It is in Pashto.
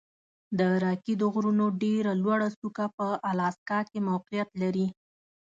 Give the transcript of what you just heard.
د راکي د غرونو ډېره لوړه څوکه په الاسکا کې موقعیت لري.